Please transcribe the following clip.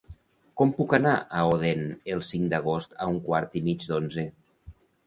Com puc anar a Odèn el cinc d'agost a un quart i mig d'onze?